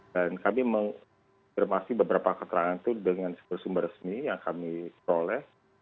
dan kami mengkirmasi beberapa keterangan itu dengan sumber resmi yang kami peroleh